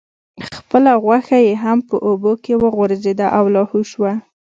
خپله غوښه یې هم په اوبو کې وغورځیده او لاهو شوه.